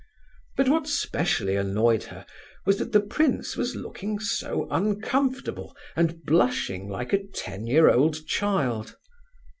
But what specially annoyed her was that the prince was looking so uncomfortable, and blushing like a ten year old child.